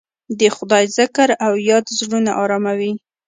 د خدای ذکر او یاد زړونه اراموي.